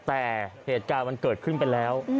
แต่เหตุการณ์มันเกิดขึ้นไปแล้ว